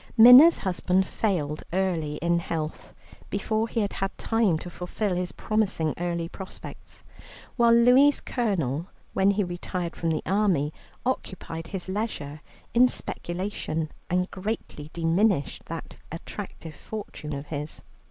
Minna's husband failed early in health, before he had had time to fulfil his promising early prospects, while Louie's Colonel, when he retired from the army, occupied his leisure in speculation, and greatly diminished that attractive fortune of his.